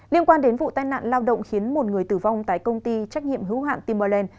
liên quan đến vụ tai nạn lao động khiến một người tử vong tại công ty trách nhiệm hữu hạn timor lèn